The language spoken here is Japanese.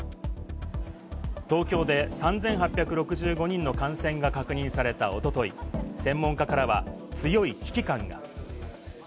東京で３８６５人の感染が確認されたおととい、専門家からは強い危機感が。